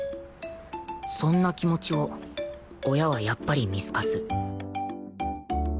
そんな気持ちを親はやっぱり見透かす